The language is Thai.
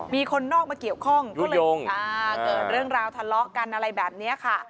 มีคนนอกมาเกี่ยวข้องก็เลยเกิดเรื่องราวทะเลาะกันอะไรแบบนี้ค่ะ